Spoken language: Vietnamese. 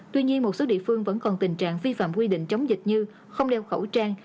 tuy nhiên một số địa phương vẫn còn tình trạng vi phạm quy định chống dịch như không đeo khẩu trang